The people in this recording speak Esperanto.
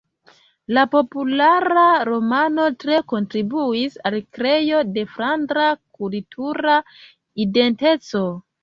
La populara romano tre kontribuis al kreo de flandra kultura identeco.